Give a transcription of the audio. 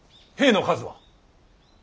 兵の数は。